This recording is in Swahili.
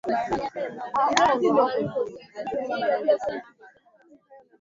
Katika shambulizi moja, zaidi ya watu sitini huko Plaine Savo kwenye eneo la Djubu waliuawa hapo Februari mosi